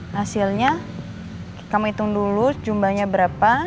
hasilnya kita hitung dulu jumlahnya berapa